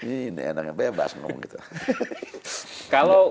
ini enaknya bebas ngomong gitu